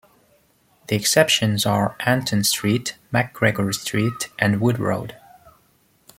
The exceptions are Anton Street, McGregor Street and Wood Road.